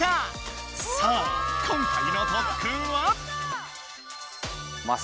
さあ今回の特訓は？